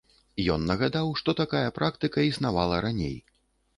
Ён нагадаў, што такая практыка існавала раней.